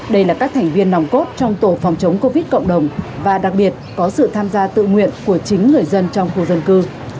đây là các thành viên nòng cốt trong tổ phòng chống covid cộng đồng và đặc biệt có sự tham gia tự nguyện của chính người dân trong khu dân cư